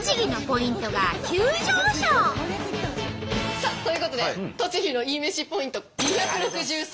さあということで栃木のいいめしポイント２６３。